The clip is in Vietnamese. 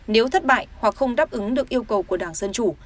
nếu thất bại hoặc không đáp ứng được yêu cầu của đảng dân chủ